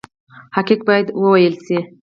حقایق باید وویل شي